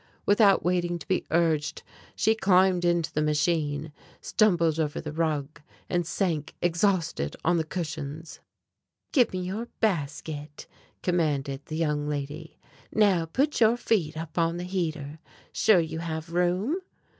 Without waiting to be urged she climbed into the machine, stumbled over the rug, and sank exhausted on the cushions. "Give me your basket," commanded the young lady. "Now put your feet on the heater. Sure you have room?"